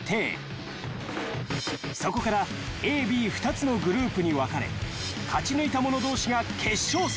［そこからＡＢ２つのグループに分かれ勝ち抜いた者同士が決勝戦］